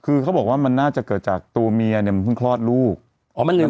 คือเขาบอกว่ามันน่าจะเกิดจากตัวเมียเนี่ยมันเพิ่งคลอดลูกอ๋อมันยัง